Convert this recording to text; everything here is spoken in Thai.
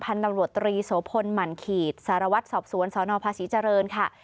ตำรวจตรีโสพลหมั่นขีดสารวัตรสอบสวนสนภาษีเจริญค่ะ